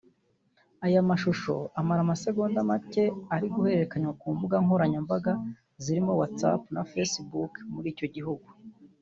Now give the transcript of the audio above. Aya mashusho amara amasegonda make ari guhererekanywa ku mbuga nkoranyambaga zirimo WhatsApp na Facebook muri icyo gihugu